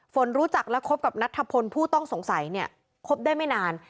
รู้จักและคบกับนัทธพลผู้ต้องสงสัยเนี่ยคบได้ไม่นาน